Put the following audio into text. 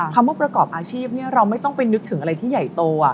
คำว่าประกอบอาชีพเราไม่ต้องไปนึกถึงอะไรที่ใหญ่โต